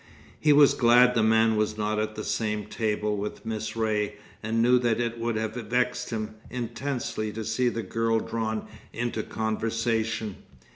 He was glad the man was not at the same table with Miss Ray, and knew that it would have vexed him intensely to see the girl drawn into conversation.